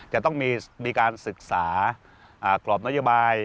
จะต้องมีการศึกษากรอบนโยบาย